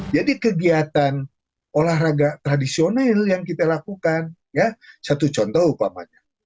jadi kegiatan olahraga tradisional yang kita lakukan satu contoh upamanya